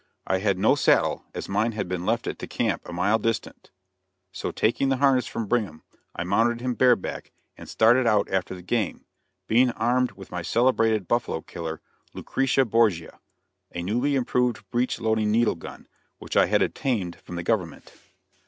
I had no saddle, as mine had been left at the camp a mile distant, so taking the harness from Brigham, I mounted him bareback and started out after the game, being armed with my celebrated buffalo killer, "Lucretia Borgia," a newly improved breech loading needle gun, which I had obtained from the government.